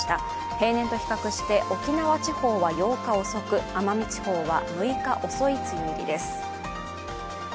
平年と比較して沖縄地方は８日遅く奄美地方は６日遅い梅雨入りです。